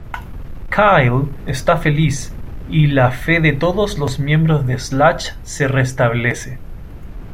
Kyle está feliz, y la fe de todos los miembros de Slash se restablece.